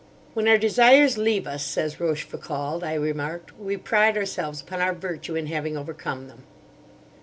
"When our desires leave us, says Rochefoucauld," I remarked, "we pride ourselves upon our virtue in having overcome them."